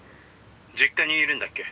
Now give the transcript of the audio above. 実家にいるんだっけ？